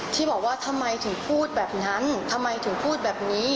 ที่บอกว่าทำไมถึงพูดแบบนั้นทำไมถึงพูดแบบนี้